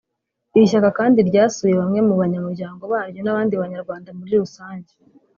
Iri shyaka kandi ryasuye bamwe mu banyamuryango baryo n’abandi banyarwanda muri rusange